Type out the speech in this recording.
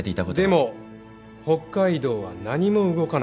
でも北海道は何も動かなかった。